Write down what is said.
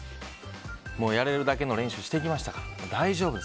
やれるだけの練習してきましたから大丈夫です